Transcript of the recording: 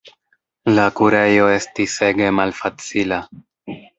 La kurejo estis ege malfacila.